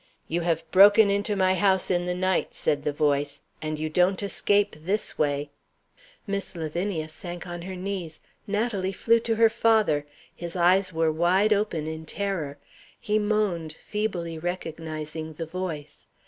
"You have broken into my house in the night," said the voice. "And you don't escape this way." Miss Lavinia sank on her knees. Natalie flew to her father. His eyes were wide open in terror; he moaned, feebly recognizing the voice.